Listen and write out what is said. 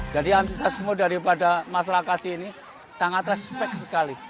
jadi antisasmo daripada masyarakat ini sangat respek sekali